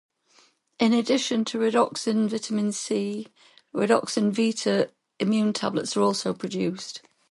In addition to Redoxon vitamin C, Redoxon Vita Immune tablets are also produced.